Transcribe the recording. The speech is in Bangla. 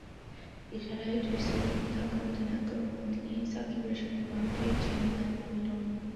ইশারায় ড্রেসিংরুমে থাকা অধিনায়কের অনুমতি নিয়ে সাকিবের সঙ্গে মাঠ ছেড়ে যান মুমিনুল।